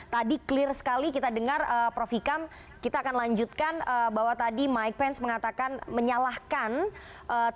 tadi clear sekali kita dengar prof ikam kita akan lanjutkan bahwa tadi mike pence mengatakan menyalahkan tiongkok sebagai perusahaan